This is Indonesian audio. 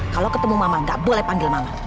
kalau ketemu mama gak boleh panggil mama